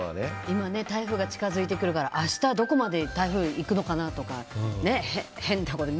今、台風が近づいてくるから明日、どこまで台風行くのかなとか。